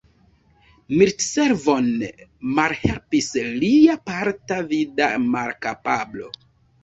Militservon malhelpis lia parta vida malkapablo.